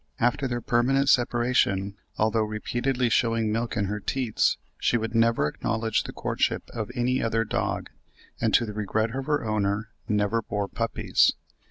After their permanent separation, although repeatedly shewing milk in her teats, she would never acknowledge the courtship of any other dog, and to the regret of her owner never bore puppies.